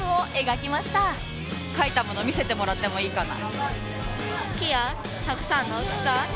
描いたもの見せてもらってもいいかな？